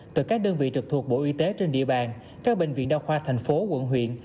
từ các đơn vị trực thuộc bộ y tế trên địa bàn các bệnh viện đa khoa thành phố quận huyện